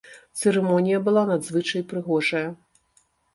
Цырымонія была надзвычай прыгожая.